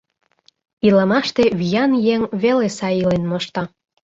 Илымаште виян еҥ веле сай илен мошта.